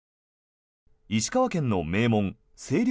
石川県の名門・星稜